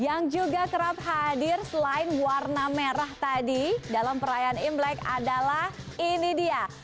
yang juga kerap hadir selain warna merah tadi dalam perayaan imlek adalah ini dia